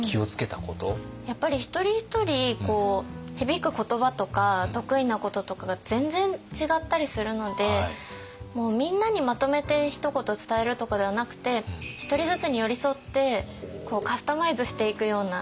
やっぱり一人一人響く言葉とか得意なこととかが全然違ったりするのでもうみんなにまとめてひと言伝えるとかではなくてひとりずつに寄り添ってカスタマイズしていくような。